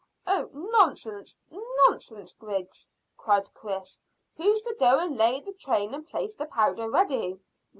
"Oh, nonsense, nonsense, Griggs!" cried Chris. "Who's to go and lay the train and place the powder ready?"